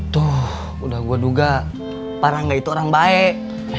tuh udah gue duga parangga itu orang baik